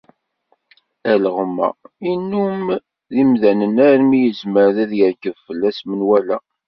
Alɣem-a yennum d yemdanen armi yezmer ad yerkeb fell-as menwala.